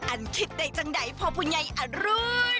อันคิดได้จังใดพ่อผู้ใหญ่อรุณ